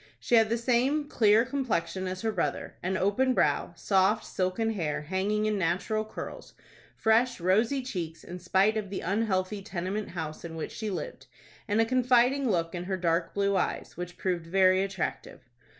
She had the same clear complexion as her brother, an open brow, soft, silken hair hanging in natural curls, fresh, rosy cheeks in spite of the unhealthy tenement house in which she lived, and a confiding look in her dark blue eyes, which proved very attractive.